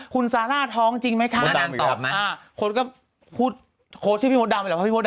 คุณซาร่าท้องจริงไหมค่ะอ่าคนก็พูดโค้ดชื่อพี่มดำหรือเปล่า